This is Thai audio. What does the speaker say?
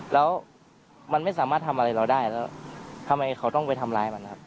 แล้วมันไม่สามารถทำอะไรเราได้แล้วทำไมเขาต้องไปทำร้ายมันครับ